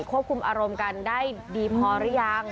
ควบคุมอารมณ์กันได้ดีพอหรือยัง